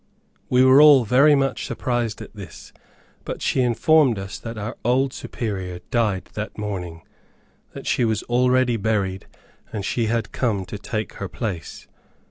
We were all very much surprised at this, but she informed us that our old Superior died that morning, that she was already buried, and she had come to take her place.